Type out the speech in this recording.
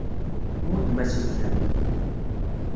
Tmuddem-asen-tent.